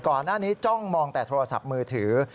ก่อนหน้านี้จ้องมองแต่โทรศัพท์มือถือ